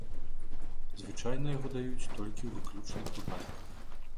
Звычайна яго даюць толькі ў выключных выпадках.